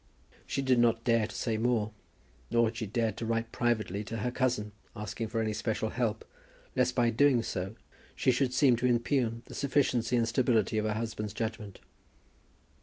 She did not dare to say more; nor had she dared to write privately to her cousin, asking for any special help, lest by doing so she should seem to impugn the sufficiency and stability of her husband's judgment.